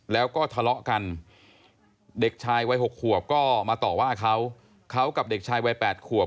แล้วก็ทะเลาะกันเด็กชายวัย๖ขวบก็มาต่อว่าเขาเขากับเด็กชายวัย๘ขวบ